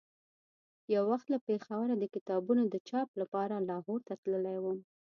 یو وخت له پېښوره د کتابونو د چاپ لپاره لاهور ته تللی وم.